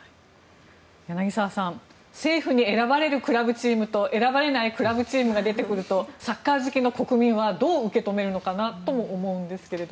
柳澤さん政府に選ばれるクラブチームと選ばれないクラブチームが出てくるとサッカー好きの国民はどう受け止めるのかなとも思いますが。